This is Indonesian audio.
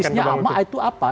basisnya sama itu apa